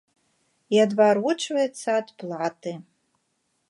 І адварочваецца ад платы.